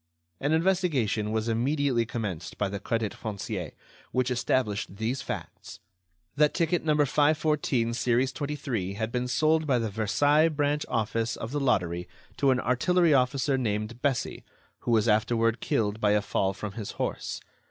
An investigation was immediately commenced by the Crédit Foncier, which established these facts: That ticket No. 514, series 23, had been sold by the Versailles branch office of the Lottery to an artillery officer named Bessy, who was afterward killed by a fall from his horse.